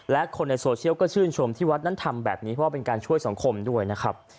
และคนในโซเชียลก็ชื่นชมที่วัดนั้นทำแบบนี้เพราะว่าเป็นการช่วยสังคมด้วยนะครับ